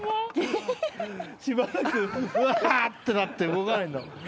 しばらくわってなって動かないんだもん。